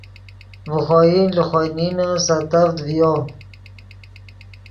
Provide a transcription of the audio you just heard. ڤے خوئن لے خوئے نینے سیتڤد ڤیو